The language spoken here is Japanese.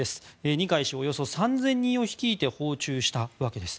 二階氏、およそ３０００人を率いて訪中したわけです。